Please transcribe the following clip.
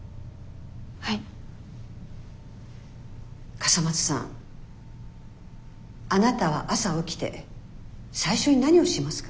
笠松さんあなたは朝起きて最初に何をしますか？